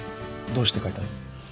どうして変えたの？